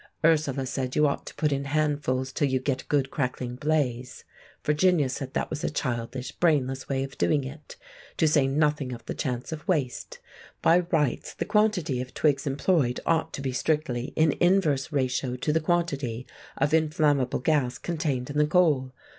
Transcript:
Ursula said you ought to put in handfuls till you got a good crackling blaze; Virginia said that was a childish, brainless way of doing it, to say nothing of the chance of waste; by rights the quantity of twigs employed ought to be strictly in inverse ratio to the quantity of inflammable gas contained in the coal.